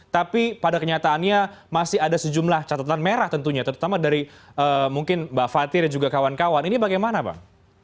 tapi pada kenyataannya masih ada sejumlah catatan merah tentunya terutama dari mungkin mbak fatih dan juga kawan kawan ini bagaimana bang